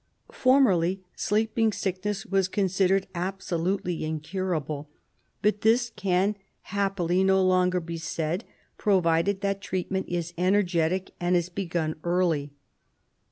Formerly sleeping sickness was considered absolutely in curable, but this can, happily, no longer be said, provided that treatment is energetic and is begun early.